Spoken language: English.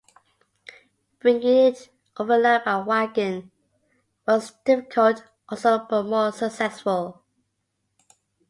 Bringing it overland by waggon was difficult also but more successful.